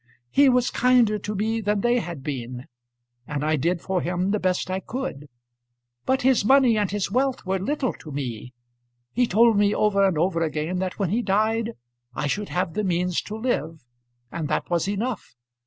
He was kinder to me than they had been, and I did for him the best I could. But his money and his wealth were little to me. He told me over and over again that when he died I should have the means to live, and that was enough.